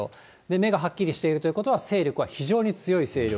目がはっきりしているということは、勢力は非常に強い勢力。